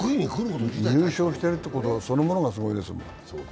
入賞してることそのものがすごいですもん。